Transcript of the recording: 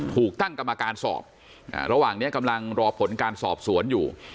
ถูกตั้งกรรมการสอบระหว่างนี้กำลังรอผลการสอบสวนอยู่